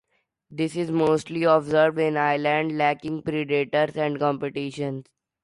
This is mostly observed in islands lacking predators and competition.